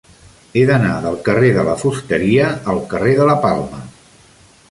He d'anar del carrer de la Fusteria al carrer de la Palma.